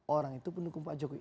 orang itu pendukung pak jokowi